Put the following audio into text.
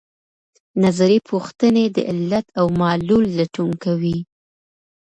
نظري پوښتنې د علت او معلول لټون کوي.